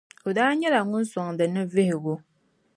O daa nyɛla ŋun soŋdi ni vihigu .